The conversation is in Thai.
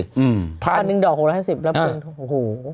๑๐๐๐หนึ่งดอก๖๕๐ล้านบาทโอ้โห